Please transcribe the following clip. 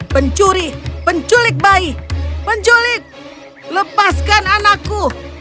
pencuri penculik bayi penculik lepaskan anakku